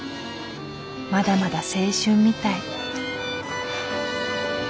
まだまだ青春みたい。